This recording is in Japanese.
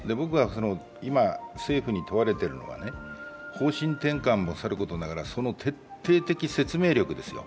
今、政府に問われているのは、方針転換もさることながら、その徹底的説明力ですよ。